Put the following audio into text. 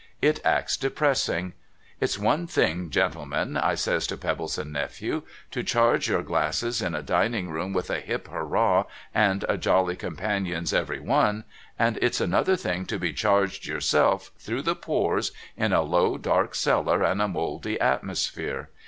It acts depressing. It's one thing, gentlemen," I says to Pebbleson Nephew, " to charge your glasses in a dining room with a Hip Hurrah and a Jolly Companions Every One, and it's another thing to be charged yourself, through the pores, in a low dark cellar and a mouldy atmosphere.